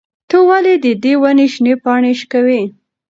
ته ولې د دې ونې شنې پاڼې شوکوې؟